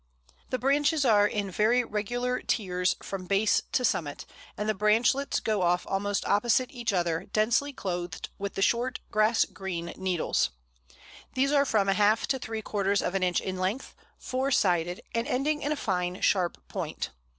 The branches are in very regular tiers from base to summit, and the branchlets go off almost opposite each other, densely clothed with the short grass green needles. These are from a half to three quarters of an inch in length, four sided, and ending in a fine sharp point.